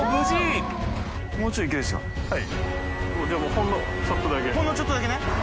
ほんのちょっとだけね。